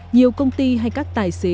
nhiều công ty hay các tài xế